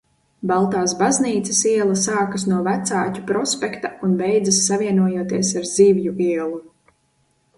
Baltāsbaznīcas iela sākas no Vecāķu prospekta un beidzas savienojoties ar Zivju ielu.